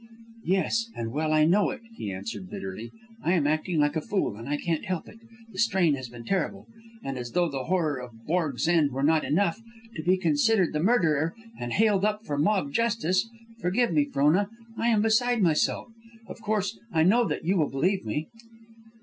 "Yes, and well I know it," he answered, bitterly. "I am acting like a fool, and I can't help it. The strain has been terrible. And as though the horror of Borg's end were not enough, to be considered the murderer, and haled up for mob justice! Forgive me, Frona. I am beside myself. Of course, I know that you will believe me."